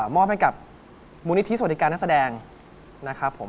มอบให้กับมูลนิธิสวัสดิการนักแสดงนะครับผม